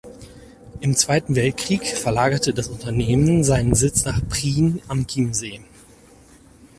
Im Zweiten Weltkrieg verlagerte das Unternehmen seinen Sitz nach Prien am Chiemsee.